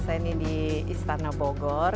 ini di istana bogor